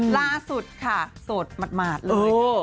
ล่าสุดค่ะโสดหมาดเลย